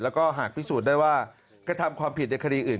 แล้วก็หากพิสูจน์ได้ว่ากระทำความผิดในคดีอื่น